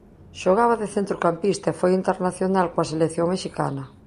Xogaba de centrocampista e foi internacional coa selección mexicana.